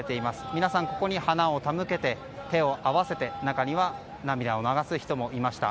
皆さん、ここに花を手向けて手を合わせて中には涙を流す人もいました。